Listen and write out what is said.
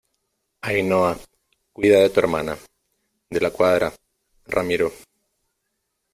Ainhoa, cuida de tu hermana. de la Cuadra , Ramiro ,